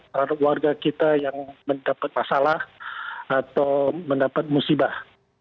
terhadap warga kita yang mendapat masalah atau mendapat musibah